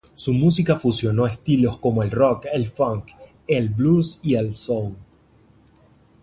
Su música fusionó estilos como el rock, el funk, el blues y soul.